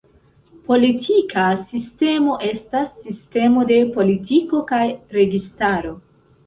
Politika sistemo estas sistemo de politiko kaj registaro.